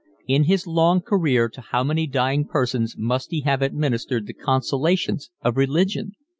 In his long career to how many dying persons must he have administered the consolations of religion!